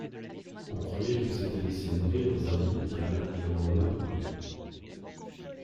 On croyait qu'il s'etait laisse mourir dans un lit d'hôpital, et on l'en approuvait.